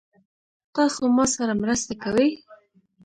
تاسو ما سره مرسته کوئ؟